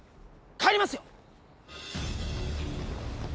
帰りますよ！